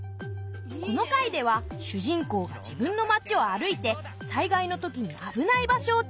この回では主人公が自分の町を歩いて災害の時に危ない場所を調査！